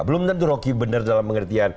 belum tentu rocky benar dalam pengertian